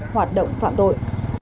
hoạt động phạm tội